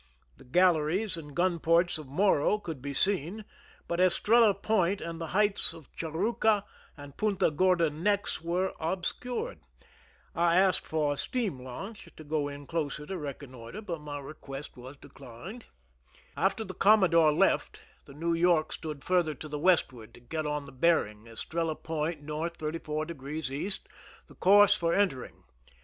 The galleries and gun ports of Morro could be seen, but Estrella Point and the heights of Churruca and Punta Gorda necks were obscured. I asked for a steam launch to go in closer to reconnoiter, but my request was 31 THE SINKING OF THE "MERRIMAC" declined. After the commodore left, the New York stood farther to the westward to get on the bearing, Estrella Point, north, 34^ E., the course for enter ing.